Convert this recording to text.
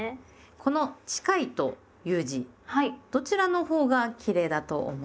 この「近い」という字どちらのほうがきれいだと思いますか？